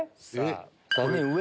３人上？